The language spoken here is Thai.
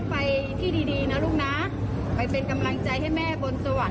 ไปที่ดีนะลูกครับ